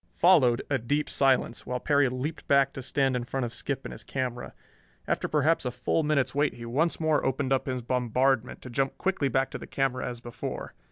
Followed a deep silence, while Perry leaped back to stand in front of Skip and his camera. After perhaps a full minute's wait he once more opened up his bombardment, to jump quickly back to the camera as before.